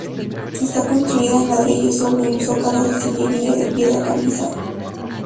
Está construida en ladrillo sobre un zócalo de sillería de piedra caliza.